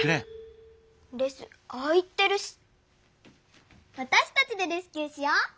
レスああ言ってるしわたしたちでレスキューしよう！